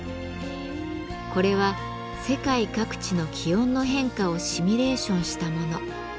これは世界各地の気温の変化をシミュレーションしたもの。